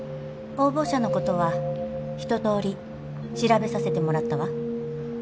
応募者のことは一とおり調べさせてもらったわ